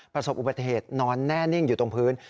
ประสบอุบัติเหตุนอนแน่นิ่งอยู่ตรงพื้น